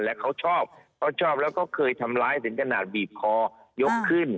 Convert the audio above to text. แล้วเขาชอบเขาชอบแล้วก็เคยทำร้ายถึงขนาดบีบคอยกขึ้น